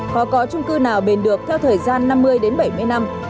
có trung cư nào bền được theo thời gian năm mươi đến bảy mươi năm